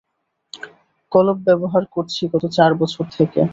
কলপ ব্যবহার করছি গত চার বছর থেকে।